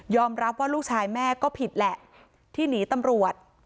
รับว่าลูกชายแม่ก็ผิดแหละที่หนีตำรวจ